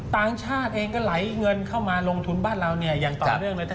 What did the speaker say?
ต่างชาติเองก็ไหลเงินเข้ามาลงทุนบ้านเราเนี่ยอย่างต่อเนื่องเลย